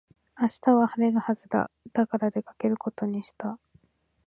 明日は晴れるはずだ。だから出かけることにした。